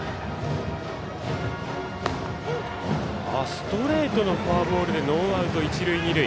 ストレートのフォアボールでノーアウト、一塁二塁。